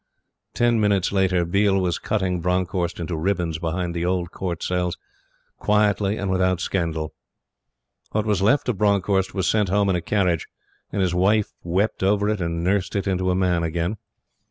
Ten minutes later, Biel was cutting Bronckhorst into ribbons behind the old Court cells, quietly and without scandal. What was left of Bronckhorst was sent home in a carriage; and his wife wept over it and nursed it into a man again.